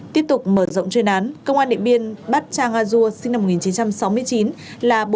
tiếp tục mở rộng chuyên án công an điện biên bắt trang a dô sinh năm một nghìn chín trăm hai mươi sáu